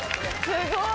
すごい。